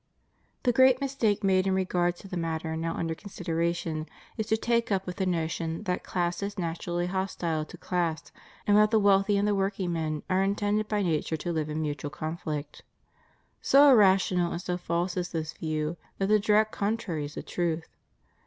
The great mistake made in regard to the matter now under consideration is to take up with the notion that class is naturally hostile to class, and that the wealthy and the workingmen are intended by nature to live in mutual conflict. So irrational and so false is this view, that the direct contrary is the truth.